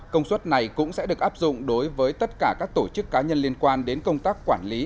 công suất này cũng sẽ được áp dụng đối với tất cả các tổ chức cá nhân liên quan đến công tác quản lý